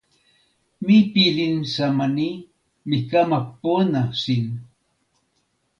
mi pilin sama ni: mi kama pona sin.